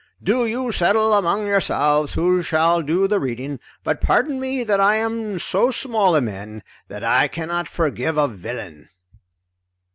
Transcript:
"Do you settle among yourselves who shall do the reading, but pardon me that I am so small a man, that I cannot forgive a villain!"